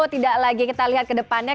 tidak lagi kita lihat ke depannya